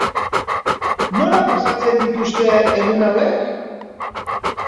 Nola pasatzen dituzte egun hauek?